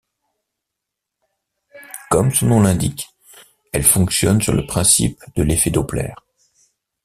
Comme son nom l'indique, elle fonctionne sur le principe de l'effet Doppler.